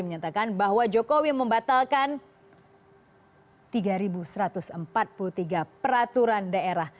menyatakan bahwa jokowi membatalkan tiga satu ratus empat puluh tiga peraturan daerah